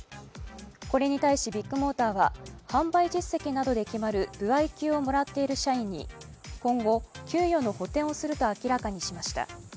これに対しビッグモーターは販売実績などで決まる歩合給をもらっている社員に今後、給与の補填をすると明らかにしました。